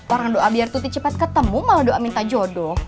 orang doa biar tuti cepat ketemu mau doa minta jodoh